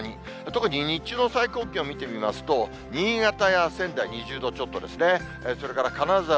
特に日中の最高気温見てみますと、新潟や仙台２０度ちょっとですね。